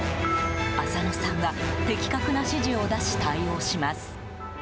浅野さんは的確な指示を出し対応します。